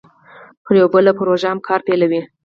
پر یوه بله پروژه هم کار پیلوي